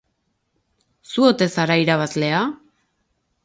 Zu ote zara irabazlea?